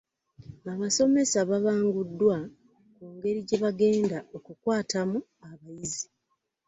Abasomesa babanguddwa ku ngeri gyebagenda okukwatamu abayizi.